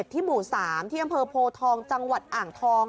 ที่อ้ำเภอโพศองก์จังหวัดอ่างทอง